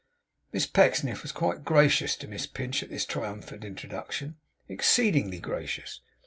Miss Pecksniff was quite gracious to Miss Pinch in this triumphant introduction; exceedingly gracious.